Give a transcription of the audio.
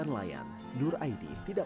jangan lupa ibu